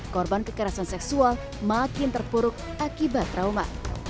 korban kekerasan seksual makin terpuruk akibat trauma